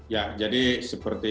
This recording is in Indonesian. ya jadi seperti